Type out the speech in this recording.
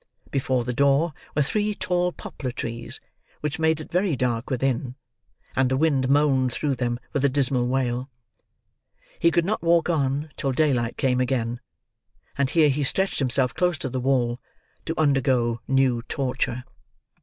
Before the door, were three tall poplar trees, which made it very dark within; and the wind moaned through them with a dismal wail. He could not walk on, till daylight came again; and here he stretched himself close to the wall—to undergo new torture.